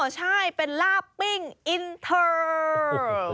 ใช่เป็นลาบปิ้งอินเทอร์